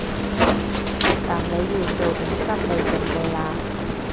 但你要做定心理準備喇